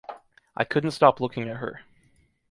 I couldn’t stop looking at her.